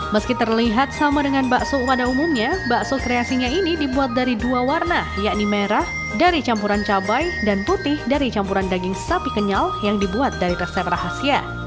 meski terlihat sama dengan bakso pada umumnya bakso kreasinya ini dibuat dari dua warna yakni merah dari campuran cabai dan putih dari campuran daging sapi kenyal yang dibuat dari resep rahasia